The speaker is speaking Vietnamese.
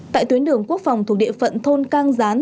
tại tuyến đường quốc phòng thuộc địa phận thôn cang gián